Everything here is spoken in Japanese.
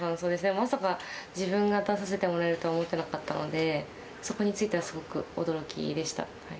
まさか自分が出させてもらえるとは思ってなかったのでそこについてはすごく驚きでした。